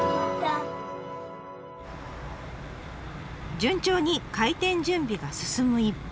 順調に開店準備が進む一方。